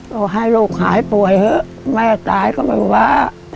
บอกให้ลูกหายป่วยเถอะแม่ตายก็ไม่ว่า